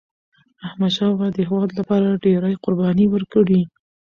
احمدشاه بابا د هیواد لپاره ډيري قربانی ورکړي.